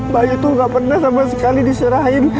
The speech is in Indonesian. bayu tuh gak pernah sama sekali diserahin